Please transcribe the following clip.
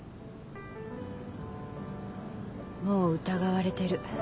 もう疑われてる。